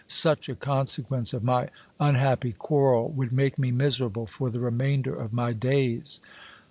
Such a conse quence of my unhappy quarrel would make me miserable for the remainder of my days.